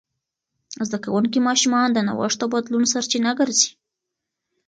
زده کوونکي ماشومان د نوښت او بدلون سرچینه ګرځي.